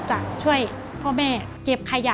จะช่วยผู้แม่เก็บขยะ